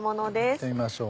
見てみましょう。